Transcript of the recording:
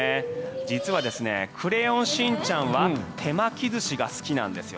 実はクレヨンしんちゃんは手巻き寿司が好きなんです。